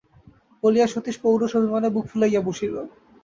বলিয়া সতীশ পৌরুষ-অভিমানে বুক ফুলাইয়া বসিল।